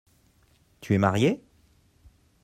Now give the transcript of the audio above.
Tu es marié ?